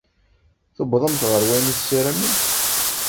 Tewwḍemt ɣer wayen i tessaramemt?